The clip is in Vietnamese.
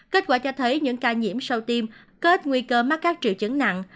kết quả cho thấy những ca nhiễm sau tiêm có ít nguy cơ mắc các triệu chứng nặng